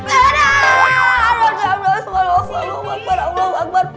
aduh ya allah allah allah allah allah